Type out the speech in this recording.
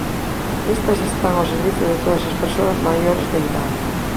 Estas están ó servizo de todas as persoas maiores de idade.